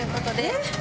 えっ？